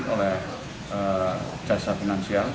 oleh jasa finansial